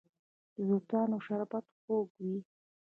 د توتانو شربت خوږ وي.